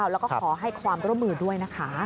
แล้วก็ขอให้ความร่วมมือด้วยนะคะ